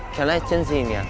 can i tên gì nhỉ